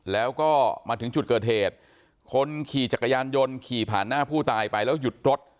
แล้วก็มาถึงจุดเกิดเหตุคนขี่จักรยานยนต์ขี่ผ่านหน้าผู้ตายไปแล้วหยุดรถ